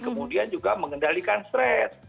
kemudian juga mengendalikan stres